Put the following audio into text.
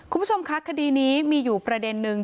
คุณผู้ชมคะคดีนี้มีอยู่ประเด็นนึง